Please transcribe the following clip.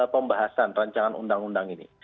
pembahasan rancangan undang undang ini